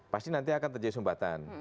pasti nanti akan terjadi sumbatan